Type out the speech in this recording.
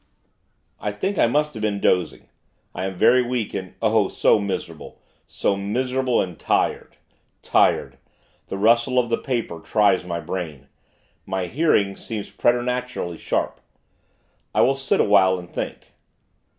I think I must have been dozing. I am very weak, and oh! so miserable, so miserable and tired tired. The rustle of the paper, tries my brain. My hearing seems preternaturally sharp. I will sit awhile and think....